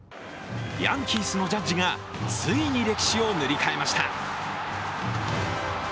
ヤンキースのジャッジがついに歴史を塗り替えました。